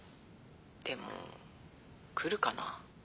でも来るかな？